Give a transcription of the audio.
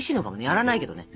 やらないけどね。